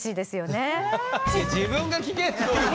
自分が聞けって。